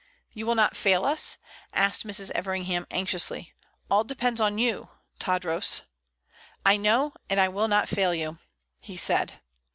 "You will not fail us?" asked Mrs. Everingham, anxiously. "All depends upon you, Tadros!" "I know, and I will not fail you," he said.